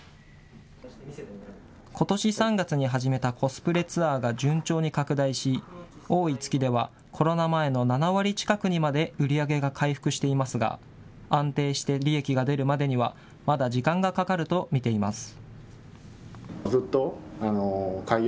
ことし３月に始めたコスプレツアーが順調に拡大し、多い月では、コロナ前の７割近くにまで売り上げが回復していますが、安定して利益が出るまでには、まだ時間がかかると見ています。